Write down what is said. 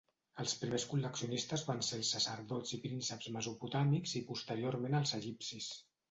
Els primers col·leccionistes van ser els sacerdots i prínceps mesopotàmics i posteriorment els egipcis.